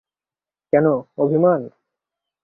কেন, অভিমান?